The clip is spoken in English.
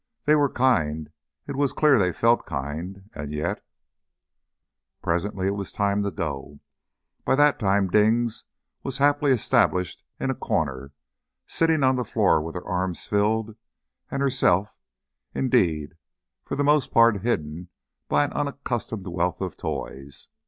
They were kind it was clear they felt kind, and yet ... Presently it was time to go. By that time Dings was happily established in a corner, sitting on the floor with her arms filled, and herself, indeed, for the most part hidden by an unaccustomed wealth of toys.